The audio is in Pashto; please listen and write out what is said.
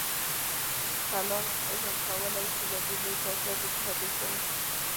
کلام علم کولای شول له دیني اساساتو څخه دفاع وکړي.